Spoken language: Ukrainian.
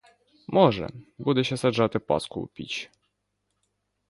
Може, буде ще саджати паску у піч!